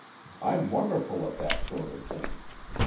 I'm wonderful at that sort of thing.